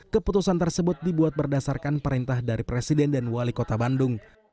keputusan tersebut dibuat berdasarkan perintah dari presiden dan wali kota bandung